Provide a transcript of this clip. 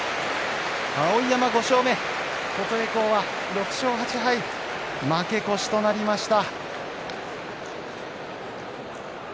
碧山５勝目、琴恵光は６勝８敗負け越しとなりました。